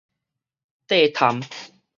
硩痰